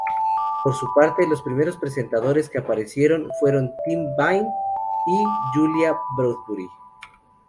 Por su parte, los primeros presentadores que aparecieron fueron Tim Vine y Julia Bradbury.